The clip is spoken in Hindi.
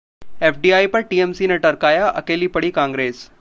एफडीआई पर टीएमसी ने टरकाया, अकेली पड़ी कांग्रेस